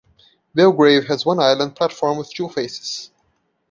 Belgrave has one island platform with two faces.